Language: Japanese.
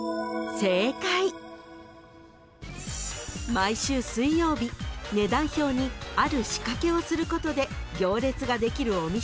［毎週水曜日値段表にある仕掛けをすることで行列ができるお店］